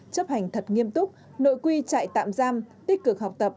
chấp hành thật nghiêm túc nội quy trại tạm giam tích cực học tập